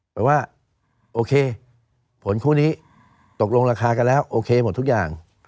แปลว่าโอเคผลคู่นี้ตกลงราคากันแล้วโอเคหมดทุกอย่าง